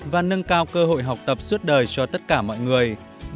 và nâng cao cơ hội học tập suốt đời cho tất cả mọi người